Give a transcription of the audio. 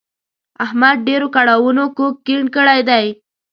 احمد ډېرو کړاوونو کوږ کیڼ کړی دی.